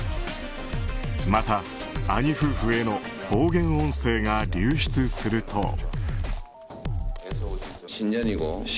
また、兄夫婦への暴言音声が流出すると。